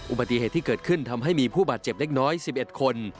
อุบัติเหตุที่เกิดขึ้นทำให้มีผู้บาดเจ็บเล็กน้อย๑๑คน